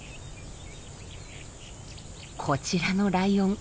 こちらのライオン。